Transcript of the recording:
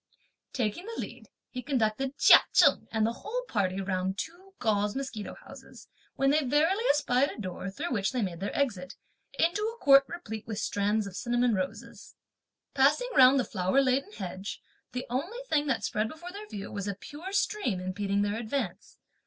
Taking the lead, he conducted Chia Cheng and the whole party round two gauze mosquito houses, when they verily espied a door through which they made their exit, into a court, replete with stands of cinnamon roses. Passing round the flower laden hedge, the only thing that spread before their view was a pure stream impeding their advance.